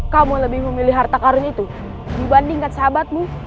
kamu lebih memilih harta karun itu dibandingkan sahabatmu